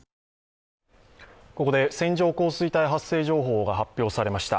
ここで線状降水帯発生情報が発表されました。